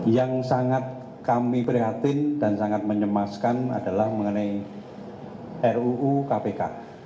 yang sangat kami prihatin dan sangat menyemaskan adalah mengenai ruu kpk